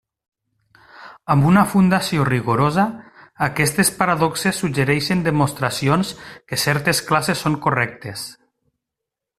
Amb una fundació rigorosa, aquestes paradoxes suggerixen demostracions que certes classes són correctes.